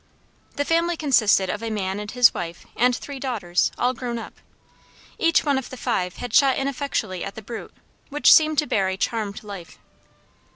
The family consisted of a man and his wife and three daughters, all grown up. Each one of the five had shot ineffectually at the brute, which seemed to bear a charmed life.